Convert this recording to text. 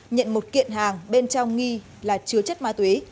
nhận một kiện hàng bên trong nghi là chứa chất ma túy